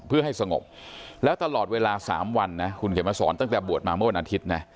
เพื่อให้สงบแล้วตลอดเวลา๓วันนะคุณเขียนมาสอนตั้งแต่บวชมาเมื่อวันอาทิตย์นะ